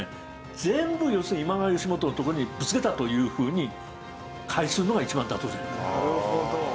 全部要するに今川義元のところにぶつけたというふうに解するのが一番妥当じゃないかと。